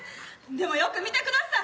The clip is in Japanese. でもよく見てください。